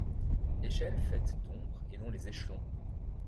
Echelle faite d’ombre et dont les échelons